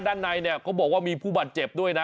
ด้านในเนี่ยเขาบอกว่ามีผู้บาดเจ็บด้วยนะ